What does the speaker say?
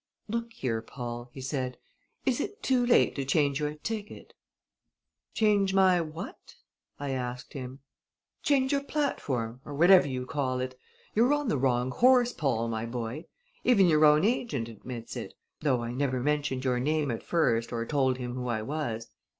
"Look here, Paul," he said, "is it too late to change your ticket?" "Change my what?" I asked him. "Change your platform or whatever you call it! You're on the wrong horse, Paul, my boy. Even your own agent admits it though I never mentioned your name at first or told him who I was.